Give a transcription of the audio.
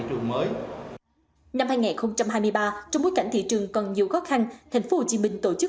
trường mới năm hai nghìn hai mươi ba trong bối cảnh thị trường còn nhiều khó khăn thành phố hồ chí minh tổ chức